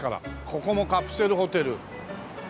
ここもカプセルホテル。